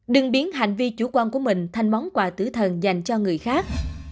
đừng biến hành vi chủ quan của mình thành món quà tử thần dành cho người khác